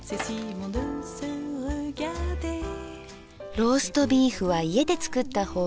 ローストビーフは家で作った方が安い。